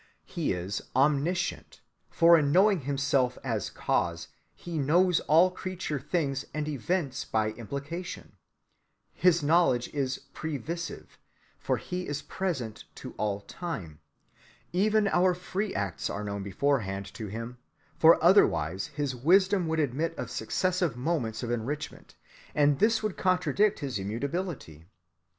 He is omniscient, for in knowing himself as Cause He knows all creature things and events by implication. His knowledge is previsive, for He is present to all time. Even our free acts are known beforehand to Him, for otherwise his wisdom would admit of successive moments of enrichment, and this would contradict his immutability.